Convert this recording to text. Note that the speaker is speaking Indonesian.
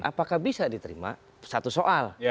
apakah bisa diterima satu soal